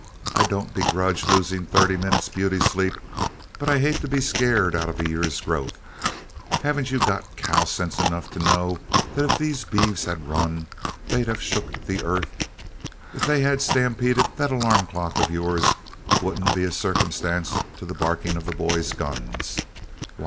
I don't begrudge losing thirty minutes' beauty sleep, but I hate to be scared out of a year's growth. Haven't you got cow sense enough to know that if those beeves had run, they'd have shook the earth? If they had stampeded, that alarm clock of yours wouldn't be a circumstance to the barking of the boys' guns.